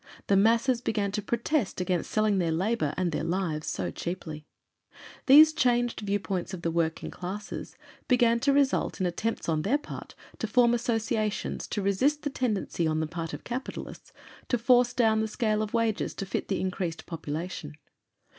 The masses began to protest against selling their labor and their lives so cheaply. These changed viewpoints of the working classes began to result in attempts on their part to form associations to resist the tendency on the part of capitalists to force down the scale of wages to fit the increased population.